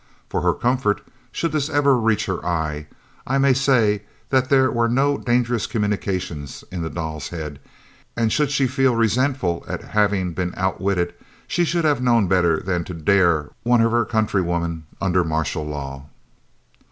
For her comfort, should this ever reach her eye, I may say that there were no dangerous communications in the doll's head, and should she feel resentful at having been outwitted, she should have known better than to dare one of her country women under martial law.